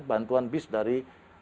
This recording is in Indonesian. bantuan bis dari